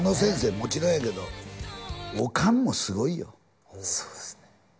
もちろんやけどおかんもすごいよそうですね